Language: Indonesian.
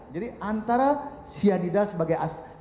jadi antara cyanida sebagai asam